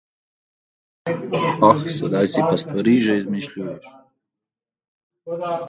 Oh, sedaj si pa stvari že izmišljuješ.